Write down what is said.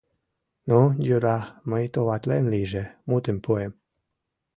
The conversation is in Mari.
— Ну, йӧра, мый товатлем лийже, мутым пуэм.